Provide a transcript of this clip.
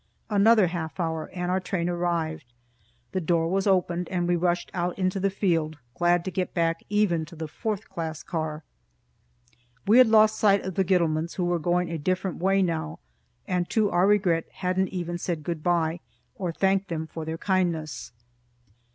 Another half hour, and our train arrived. The door was opened, and we rushed out into the field, glad to get back even to the fourth class car. We had lost sight of the Gittlemans, who were going a different way now, and to our regret hadn't even said good bye, or thanked them for their kindness.